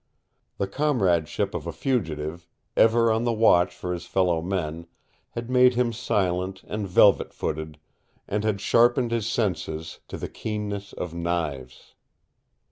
The comradeship of a fugitive, ever on the watch for his fellow men, had made him silent and velvet footed, and had sharpened his senses to the keenness of knives.